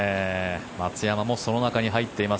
松山もその中に入っています。